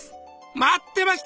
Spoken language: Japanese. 待ってました！